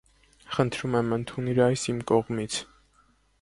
Խնդրում եմ, ընդունիր այս իմ կողմից…